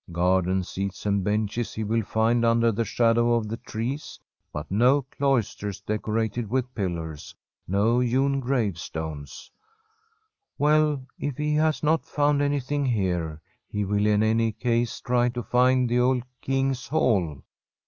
Garden seats and benches he will find under the shadow of the trees, but no cloisters decorated with pillars, no hewn gravestones. Well, if he has not found anything here, he will 0» tbi SITE of the Gnat KUNGAliALLA in any case try to find the old King's Hall.